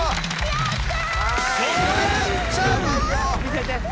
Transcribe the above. やった！